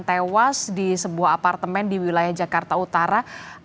tewas di sebuah apartemen di wilayah jakarta utara